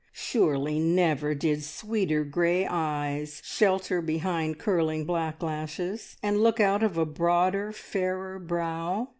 Surely never did sweeter grey eyes shelter behind curling black lashes, and look out of a broader, fairer brow.